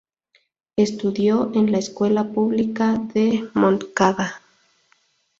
Estudió en la escuela pública de Montcada.